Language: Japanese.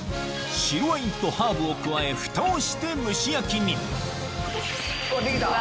白ワインとハーブを加えふたをして蒸し焼きに出来た！